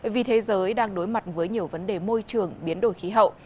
vì thế giới đang đối mặt với nhiều vấn đề môi trường biến đổi khí hậu